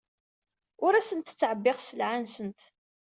Ur asent-ttɛebbiɣ sselɛa-nsent.